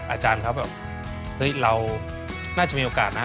อาจารย์เขาแบบเฮ้ยเราน่าจะมีโอกาสนะ